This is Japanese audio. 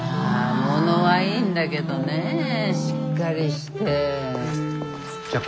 ものはいいんだけどねぇしっかりして。